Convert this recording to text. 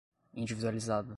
individualizada